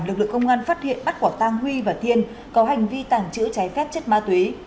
lực lượng công an phát hiện bắt quả tang huy và thiên có hành vi tàng trữ trái phép chất ma túy